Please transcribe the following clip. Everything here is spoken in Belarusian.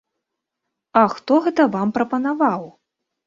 А хто гэта вам прапанаваў?